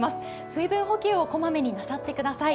水分補給を小まめになさってください。